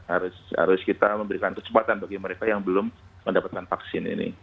harus kita memberikan kesempatan bagi mereka yang belum mendapatkan vaksin ini